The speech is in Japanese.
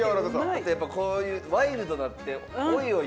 あとやっぱこういうワイルドなのって「おいおい」